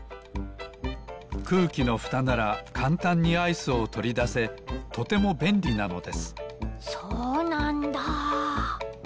くうきのふたならかんたんにアイスをとりだせとてもべんりなのですそうなんだ！